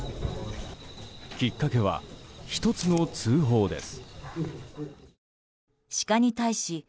きっかけは１つの通報です。